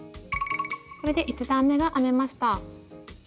これで１段めが編めました。